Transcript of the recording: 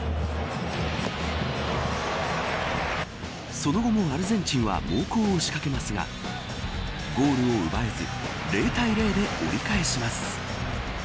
その後もアルゼンチンは猛攻を仕掛けますがゴールを奪えず０対０で折り返します。